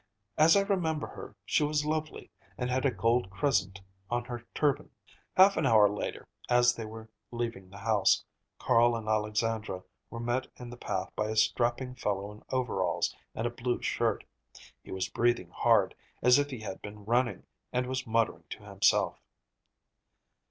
As I remember her, she was lovely, and had a gold crescent on her turban." Half an hour later, as they were leaving the house, Carl and Alexandra were met in the path by a strapping fellow in overalls and a blue shirt. He was breathing hard, as if he had been running, and was muttering to himself.